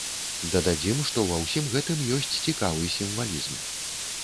Дададзім, што ва ўсім гэтым ёсць цікавы сімвалізм.